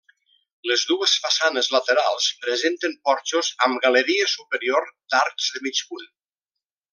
Les dues façanes laterals presenten porxos amb galeria superior d'arcs de mig punt.